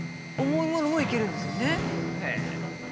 重いものもいけるんですよね。